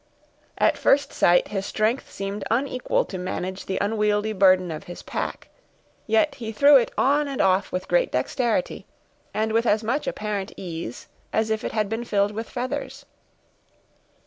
At first sight, his strength seemed unequal to manage the unwieldy burden of his pack; yet he threw it on and off with great dexterity, and with as much apparent ease as if it had been filled with feathers.